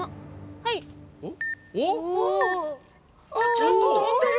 ちゃんと飛んでる！